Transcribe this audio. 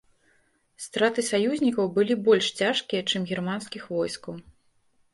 Страты саюзнікаў былі больш цяжкія, чым германскіх войскаў.